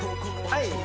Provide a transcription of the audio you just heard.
はい！